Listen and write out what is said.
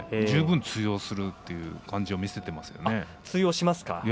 十分通用するという感じを見せます。